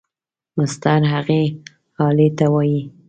مسطر هغې آلې ته وایي.